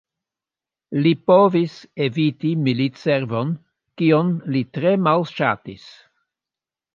Li povis eviti militservon, kion li tre malŝatis.